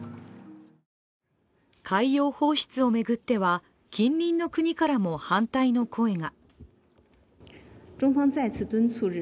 海洋放出を巡っては近隣の国からも反対の声が。